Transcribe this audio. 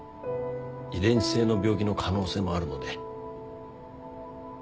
遺伝性の病気の可能性もあるので。